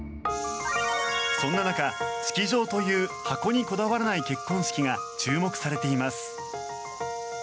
そんな中、式場というハコにこだわらない結婚式が注目されています。